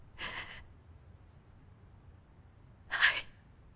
はい。